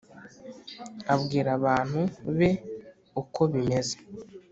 Abwira abantu beuko bimeze